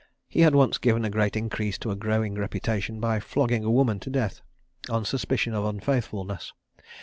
He had once given a great increase to a growing reputation by flogging a woman to death, on suspicion of unfaithfulness.